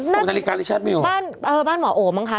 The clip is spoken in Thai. บ้านนาฬิการิชัดมิวอะบ้านเบ้าร์หมอโอมมั้งค่ะ